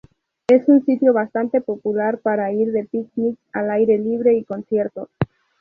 Es un sitio bastante popular para ir de picnic al aire libre y conciertos.